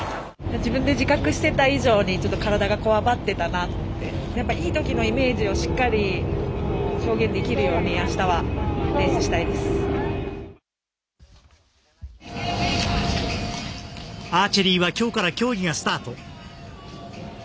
自分で自覚していた以上に体がこわばっていたなといいときのイメージをしっかり表現できるようにアーチェリーはきょうから競技がスタート。